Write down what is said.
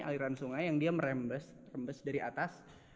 aliran sungai yang dia merembes rembes dari atas